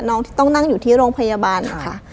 น้องที่ต้องนั่งอยู่ที่โรงพยาบาลนะคะ